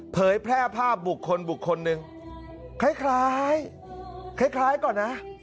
เผยแพร่ภาพบุคคลนึงคล้ายก่อนนะ